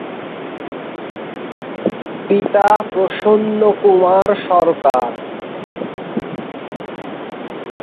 পিতা প্রসন্নকুমার সরকার।